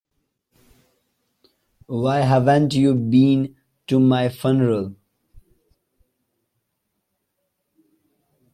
Why haven't you been to my funeral?